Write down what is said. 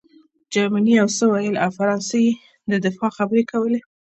جرمني یو څه ویل او فرانسې د دفاع خبرې کولې